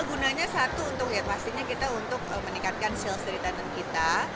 gunanya satu untuk ya pastinya kita untuk meningkatkan sales dari tedant kita